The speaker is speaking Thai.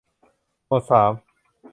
หมวดสาม